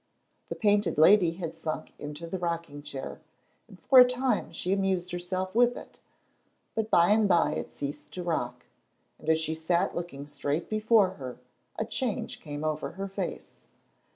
The Painted Lady had sunk into the rocking chair, and for a time she amused herself with it, but by and by it ceased to rock, and as she sat looking straight before her a change came over her face.